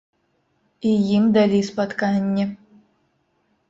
І ім далі спатканне.